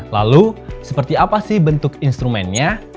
lalu seperti apa sih bentuk instrumennya